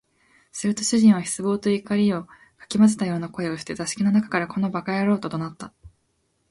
すると主人は失望と怒りを掻き交ぜたような声をして、座敷の中から「この馬鹿野郎」と怒鳴った